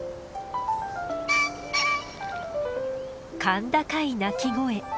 甲高い鳴き声。